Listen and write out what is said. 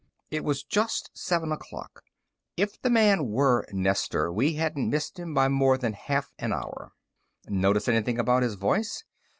It was just seven o'clock. If the man was Nestor, we hadn't missed him by more than half an hour. "Notice anything about his voice?"